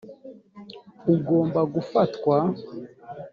ugomba gufatwa